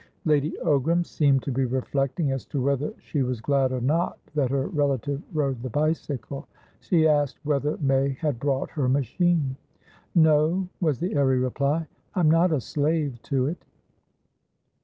Lady Ogram seemed to be reflecting as to whether she was glad or not that her relative rode the bicycle. She asked whether May had brought her machine. "No," was the airy reply, "I'm not a slave to it."